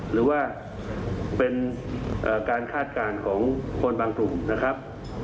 หรือว่าเป็นการคาดการณ์ของคนบางกลุ่มนะครับ